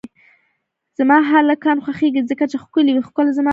زما هلکان خوښیږی ځکه چی ښکلی وی ښکله زما خوشه ده